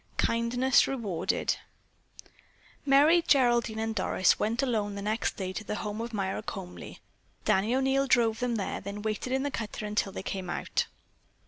KINDNESS REWARDED Merry, Geraldine and Doris went alone the next day to the home of Myra Comely. Danny O'Neil drove them there, then waited in the cutter until they came out.